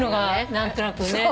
何となくね。